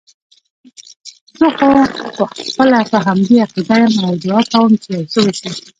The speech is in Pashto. زه خو خپله په همدې عقیده یم او دعا کوم چې یو څه وشي.